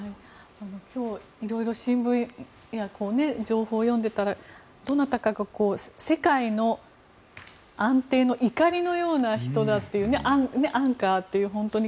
今日、いろいろ新聞や情報を読んでいたらどなたかが世界の安定のいかりのような人だというアンカーっていう。